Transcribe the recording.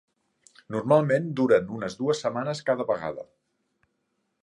Normalment duren unes dues setmanes cada vegada.